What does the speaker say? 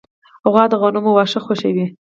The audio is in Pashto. غوا د غنمو واښه خوښوي.